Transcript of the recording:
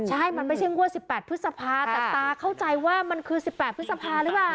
ใช่มันไม่ใช่งวด๑๘พฤษภาแต่ตาเข้าใจว่ามันคือ๑๘พฤษภาหรือเปล่า